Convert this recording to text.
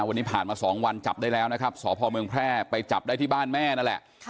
วันนี้ผ่านมา๒วันจับได้แล้วนะครับสพเมืองแพร่ไปจับได้ที่บ้านแม่นั่นแหละ